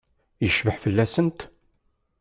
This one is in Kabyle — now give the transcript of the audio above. Yecbeḥ fell-asent?